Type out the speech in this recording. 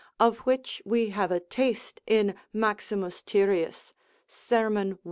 of which we have a taste in Maximus Tyrius, serm. 1.